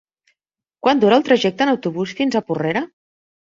Quant dura el trajecte en autobús fins a Porrera?